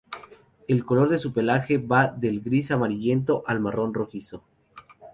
El color de su pelaje va del gris amarillento al marrón rojizo.